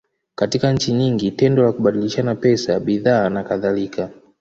Katika nchi nyingi, tendo la kubadilishana pesa, bidhaa, nakadhalika.